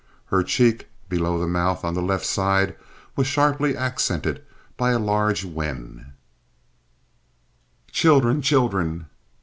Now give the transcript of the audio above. Her cheek, below the mouth, on the left side, was sharply accented by a large wen. "Children! children!"